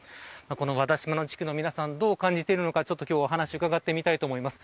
この和田島地区の皆さんどう感じているのかお話を伺ってみたいと思います。